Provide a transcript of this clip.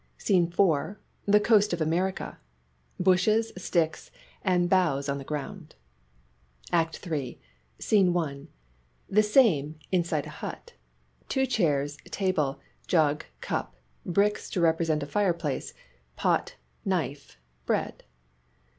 SCENE IV. "THE COAST OF AMERICA." Bushes, sticks, and boughs on the ground. ACT III SCENE I. The same ; inside a hut. Two chairs, table, jug, cup, bricks to represent a fireplace, pot, knife, bread.